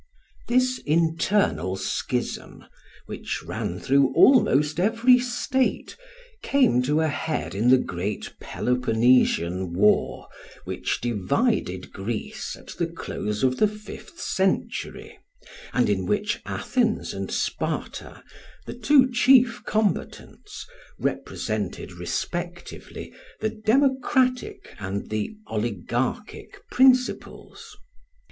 This internal schism which ran through almost every state, came to a head in the great Peloponnesian war which divided Greece at the close of the fifth century, and in which Athens and Sparta, the two chief combatants, represented respectively the democratic and the oligarchic principles.